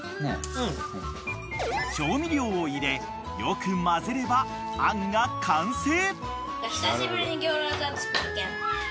［調味料を入れよくまぜればあんが完成］